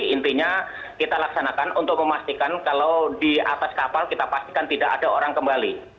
intinya kita laksanakan untuk memastikan kalau di atas kapal kita pastikan tidak ada orang kembali